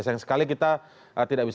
sayang sekali kita tidak bisa